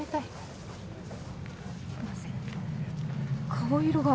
顔色が。